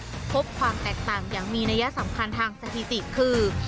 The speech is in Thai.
พบความแตกต่างอย่างมีนัยสำคัญทางสถิติคือ